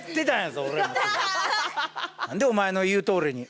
何でお前の言うとおりに。